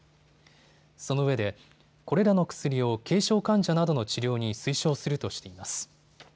そのうえでこれらの薬を軽症患者などの治療に推奨するとしています。